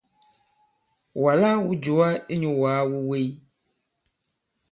Wàlā wū jùwa inyū wàa wu wèy.